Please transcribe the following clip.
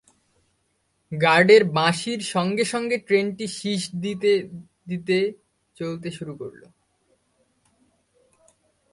গার্ডের বাঁশির সঙ্গে সঙ্গে ট্রেনটি শিস দিতে দিতে চলতে শুরু করল।